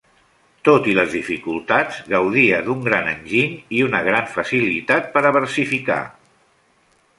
Tot i les dificultats, gaudia d'un gran enginy i una gran facilitat per a versificar.